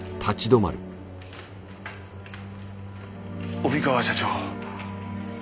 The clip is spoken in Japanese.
帯川社長。